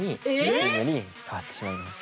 キングに変わってしまいます。